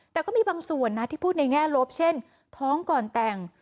แต่ก็มีบางส่วนนะที่พูดในแง่ลบเช่นท้องก่อนแต่ง